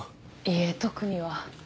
いえ特には。